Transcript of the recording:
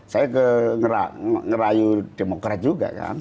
saya ngerayu demokrat juga kan